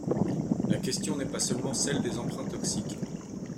La question n’est pas seulement celle des emprunts toxiques.